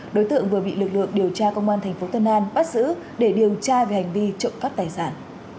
đối tượng vừa bị lực lượng điều tra công an tp tân an bắt giữ để điều tra về hành vi trộm cắp tài sản